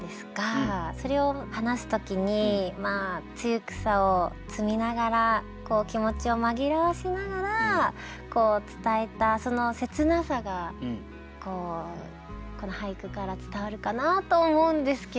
それを話す時につゆくさを摘みながら気持ちを紛らわせながら伝えたその切なさがこの俳句から伝わるかなと思うんですけれども。